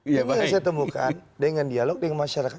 tapi yang saya temukan dengan dialog dengan masyarakat